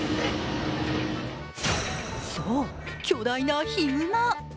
そう、巨大なヒグマ。